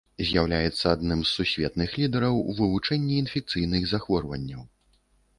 З'яўляецца адным з сусветных лідараў у вывучэнні інфекцыйных захворванняў.